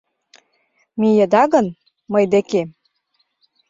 Миеда гын мый декем